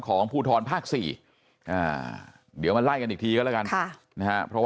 ของภูทรภาคสี่เดี๋ยวมาไล่กันอีกทีก็แล้วกันนะครับเพราะ